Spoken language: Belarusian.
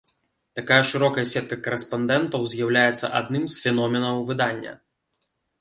Такая шырокая сетка карэспандэнтаў з'яўляецца адным з феноменаў выдання.